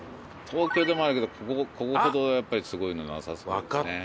東京でもあるけどここほどやっぱりすごいのなさそうですね。